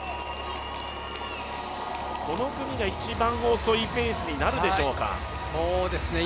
この組が一番遅いペースになるでしょうか？